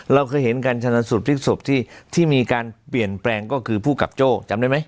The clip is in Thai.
เราเคยเห็นการชนะสูตรพลิกศพที่มีการเปลี่ยนแปลงก็คือผู้กับโจ้จำได้ไหม